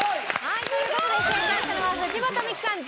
はいという事で正解したのは藤本美貴さん。